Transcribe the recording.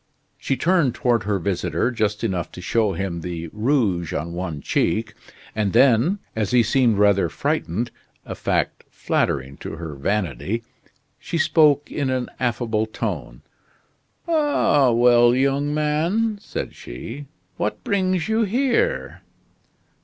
She turned toward her visitor just enough to show him the rouge on one cheek, and then, as he seemed rather frightened a fact flattering to her vanity she spoke in an affable tone. "Ah, well young man," said she, "what brings you here?"